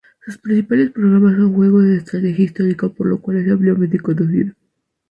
Sus principales programas son juegos de estrategia histórica por lo cual es ampliamente conocida.